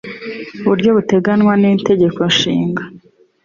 uburyo buteganywa n itegeko nshinga